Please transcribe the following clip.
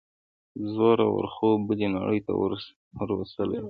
زوره ور خوب بلې نړۍ ته وروستلی وم.